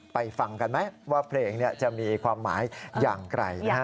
ไปฟังกันไหมว่าเพลงนี้จะมีความหมายอย่างไกล